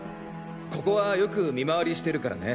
ここはよく見回りしてるからね。